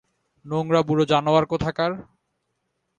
নোংরা বুড়ো জানোয়ার কোথাকার!